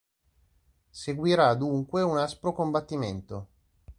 Seguirà dunque un aspro combattimento.